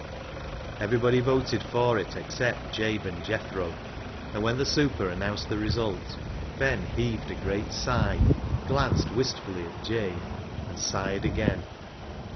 Every body voted for it except Jabe and Jethro, and THE HARMONIUM 355 when the super announced the result, Ben heaved a great sigh, glanced wistfully at Jabe, and sighed again.